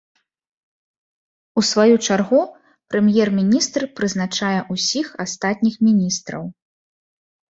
У сваю чаргу, прэм'ер-міністр прызначае ўсіх астатніх міністраў.